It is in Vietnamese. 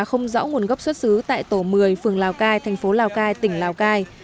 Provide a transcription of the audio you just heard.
không rõ nguồn gốc xuất xứ tại tổ một mươi phường lào cai thành phố lào cai tỉnh lào cai